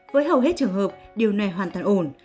với hầu hết trường hợp điều này hoàn toàn ổn